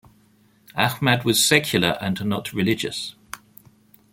Ahmad was secular and not religious.